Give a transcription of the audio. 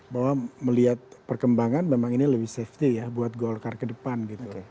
bahwa melihat perkembangan memang ini lebih safety ya buat golkar ke depan gitu